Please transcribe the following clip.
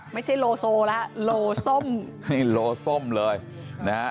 ไม่ใช่โลโซล่ะโลซ้มโลซ้มเลยนะฮะ